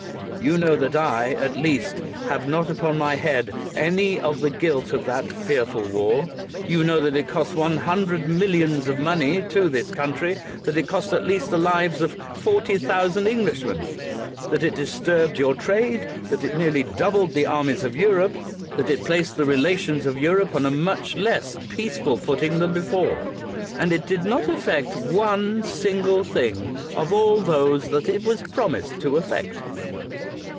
You know that I, at least, have not upon my head any of the guilt of that fearful war. You know that it cost one hun dred millions of money to this country; that it cost at least the lives of forty thousand English men ; that it disturbed your trade ; that it nearly doubled the armies of Europe; that it placed the relations of Europe on a much less peaceful 258 BRIGHT footing than before; and that it did not effect on single thing of all those that it was promised to effect.